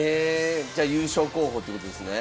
じゃあ優勝候補ってことですね。